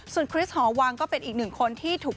ส่วนคริสหอวังก็เป็นอีกหนึ่งคนที่ถูก